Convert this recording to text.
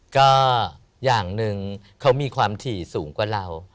โปรดติดตามต่อไป